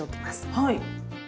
はい。